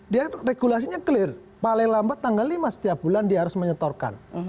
dia regulasinya clear paling lambat tanggal lima setiap bulan dia harus menyetorkan